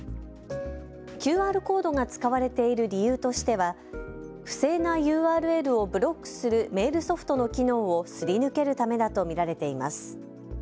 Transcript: ＱＲコードが使われている理由としては不正なＵＲＬをブロックするメールソフトの機能をすり抜けるためだと見られています。